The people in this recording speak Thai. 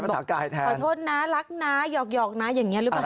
สากายแทนขอโทษนะรักนะหยอกนะอย่างนี้หรือเปล่า